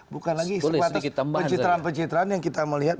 bukan lagi sifat pencitraan pencitraan yang kita melihat